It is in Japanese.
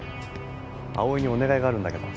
葵にお願いがあるんだけど。